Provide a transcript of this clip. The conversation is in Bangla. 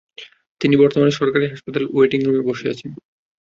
তিনি বর্তমানে সরকারি হাসপাতালের ওয়েটিং রুমে বসে আছেন।